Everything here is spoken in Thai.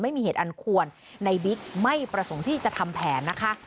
ไม่มีเหตุอันควรในบิ๊กไม่ประสงค์ที่จะทำแผนนะคะ